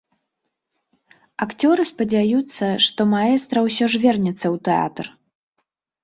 Акцёры спадзяюцца, што маэстра ўсё ж вернецца ў тэатр.